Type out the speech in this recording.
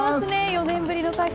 ４年ぶりの開催